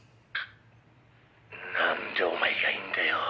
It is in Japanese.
「何でお前がいるんだよ？」